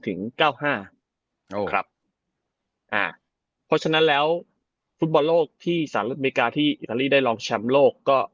เพราะฉะนั้นแล้วฟุตบอลโลกที่สหรัฐอเมริกาที่อิตาลีได้ลองแชมป์โลกก็